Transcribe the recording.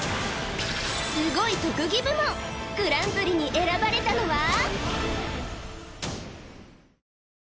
スゴい特技部門グランプリに選ばれたのは？